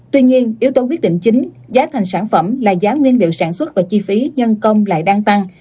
tuy nhiên yếu tố quyết định chính giá thành sản phẩm là giá nguyên liệu sản xuất và chi phí nhân công lại đang tăng